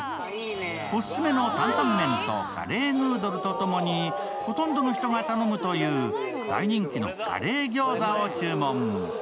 お薦めのタンタン麺とカレーヌードルとともに、ほとんどの人が頼むという大人気のカレー餃子を注文。